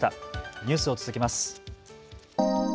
ニュースを続けます。